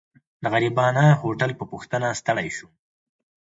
د غريبانه هوټل په پوښتنه ستړی شوم.